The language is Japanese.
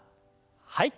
はい。